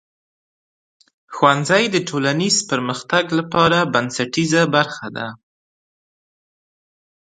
ښوونځی د ټولنیز پرمختګ لپاره بنسټیزه برخه ده.